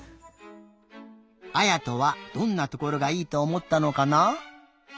あやとはどんなところがいいとおもったのかな？